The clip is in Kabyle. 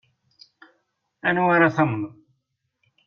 Anwa ara tamneḍ.